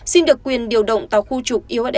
xin được quyền điều động tàu khu trục uss kennedy